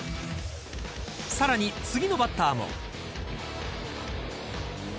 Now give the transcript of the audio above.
さらに次のバッターも。